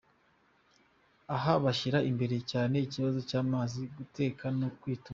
Aha bashyira imbere cyane ikibazo cy’amazi, guteka no kwituma.